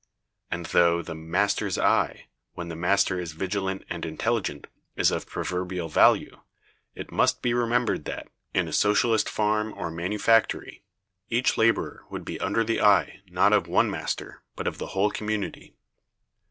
And though the "master's eye," when the master is vigilant and intelligent, is of proverbial value, it must be remembered that, in a Socialist farm or manufactory, each laborer would be under the eye, not of one master, but of the whole community.